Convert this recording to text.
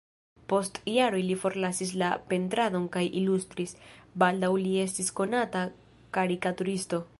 Post jaroj li forlasis la pentradon kaj ilustris, baldaŭ li estis konata karikaturisto.